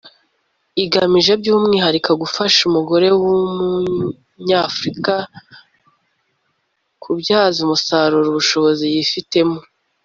igamije by’umwihariko gufasha umugore w’Umunyafurika kubyaza umusaruro ubushobozi yifitemo